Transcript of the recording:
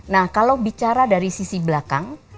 nah kalau bicara dari sisi belakang